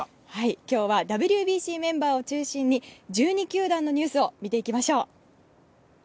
今日はＷＢＣメンバーを中心に１２球団のニュースを見ていきましょう。